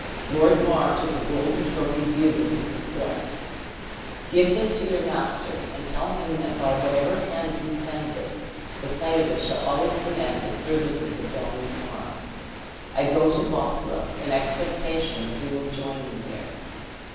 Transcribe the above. Lord Mar took a golden trophied bugle from his breast: "Give this to your master, and tell him that by whatever hands he sends it, the sight of it shall always command the services of Donald Mar. I go to Bothwell, in expectation that he will join me there.